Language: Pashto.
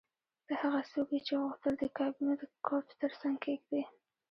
ته هغه څوک یې چې غوښتل دې کابینه د کوچ ترڅنګ کیږدې